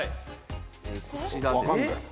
こちらです。